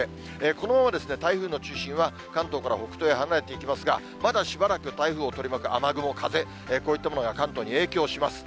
このまま台風の中心は関東から北東へ離れていきますが、まだしばらく台風を取り巻く雨雲、風、こういったものが関東に影響します。